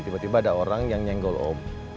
tiba tiba ada orang yang nyenggol om